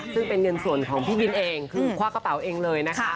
ซึ่งเป็นเงินส่วนของพี่บินเองคือคว้ากระเป๋าเองเลยนะคะ